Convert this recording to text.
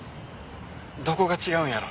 どこが違うんやろ？